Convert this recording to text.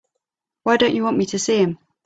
Why don't you want me to see him?